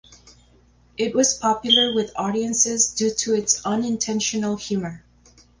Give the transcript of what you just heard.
It was popular with audiences due to its unintentional humour.